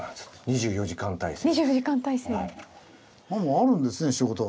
あるんですね仕事が。